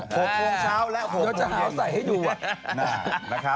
หกโมงเช้าและหกโมงเย็น